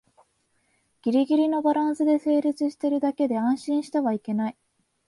ギリギリのバランスで成立してるだけで安心してはいけない